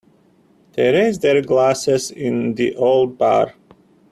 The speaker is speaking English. They raised their glasses in the old bar.